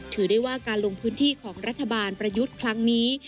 ถือได้ว่าการลงพื้นที่ของรัฐบาลประยุทธ์ครั้งนี้